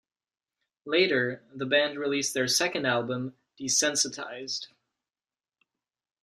Later, the band released their second album, "Desensitized".